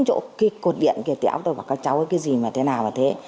cái cột điện kia tới ốc tôi bảo các cháu cái gì mà thế nào là thế